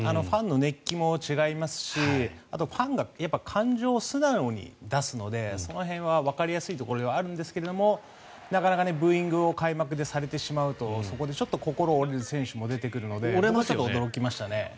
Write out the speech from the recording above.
ファンの熱気も違いますしファンが感情を素直に出すのでその辺はわかりやすいところではあるんですけどなかなかブーイングを開幕でされてしまうとそこで心が折れる選手も出てくるのですごく驚きましたね。